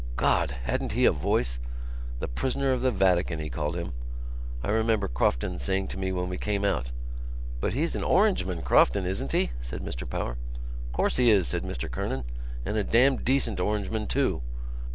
God! hadn't he a voice! The Prisoner of the Vatican, he called him. I remember Crofton saying to me when we came out——" "But he's an Orangeman, Crofton, isn't he?" said Mr Power. "'Course he is," said Mr Kernan, "and a damned decent Orangeman too.